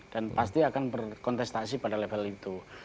dan pasti akan berkontestasi pada level itu